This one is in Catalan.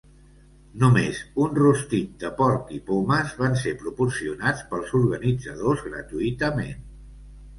Només un rostit de porc i pomes van ser proporcionats pels organitzadors gratuïtament.